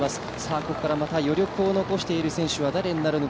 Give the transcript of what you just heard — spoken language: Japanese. ここから余力を残している選手は誰になるのか。